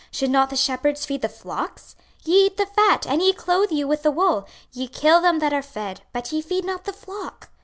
should not the shepherds feed the flocks? 26:034:003 Ye eat the fat, and ye clothe you with the wool, ye kill them that are fed: but ye feed not the flock.